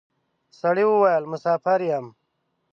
سړي وويل: مساپر یم.